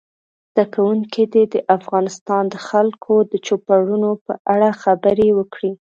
زده کوونکي دې د افغانستان د خلکو د چوپړونو په اړه خبرې وکړي.